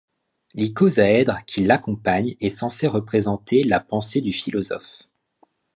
L'Icosaèdre qui l'accompagne est censé représenter la pensée du philosophe.